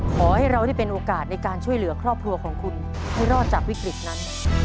ขอให้เราได้เป็นโอกาสในการช่วยเหลือครอบครัวของคุณให้รอดจากวิกฤตนั้น